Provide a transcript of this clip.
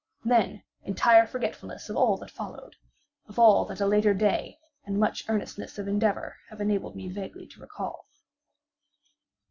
Then entire forgetfulness of all that followed; of all that a later day and much earnestness of endeavor have enabled me vaguely to recall.